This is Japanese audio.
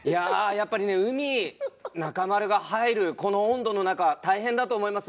やっぱり海、中丸が入る、この温度の中、大変だと思います。